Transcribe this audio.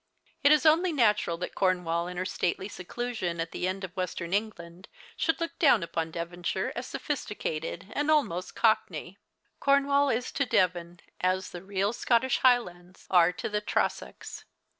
It is only natural that Cornwall in her stately seclusion at the end of Western England should look down upon Devonshire as sophisticated and almost cockney. Corn wall is to Devon as the real tScottish Highlands are to the Trossachs.